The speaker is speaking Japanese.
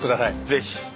ぜひ！